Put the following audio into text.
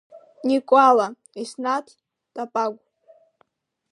Никәала, Еснаҭ, Ҭапагә?